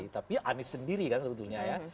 tapi anies sendiri kan sebetulnya ya